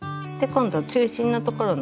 今度中心のところの。